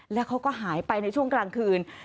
แล้วเขาก็หายไปในช่วงกลางคืน